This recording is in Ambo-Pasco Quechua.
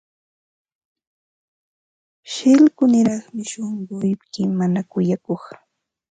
Shillkuniraqmi shunquyki, mana kuyakuq.